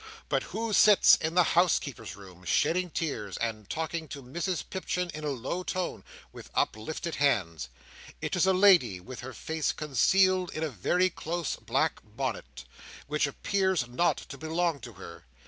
But who sits in the housekeeper's room, shedding tears, and talking to Mrs Pipchin in a low tone, with uplifted hands? It is a lady with her face concealed in a very close black bonnet, which appears not to belong to her.